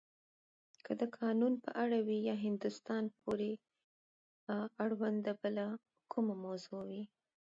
که د قانون په اړه وی یا هندوستان پورې اړونده بله کومه موضوع وی.